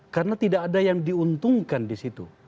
karena tidak ada yang diuntungkan di situ